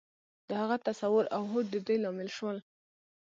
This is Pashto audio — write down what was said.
د هغه تصور او هوډ د دې لامل شول.